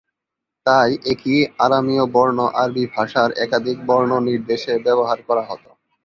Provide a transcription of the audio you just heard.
তাই একই আরামীয় বর্ণ আরবি ভাষার একাধিক বর্ণ নির্দেশে ব্যবহার করা হত।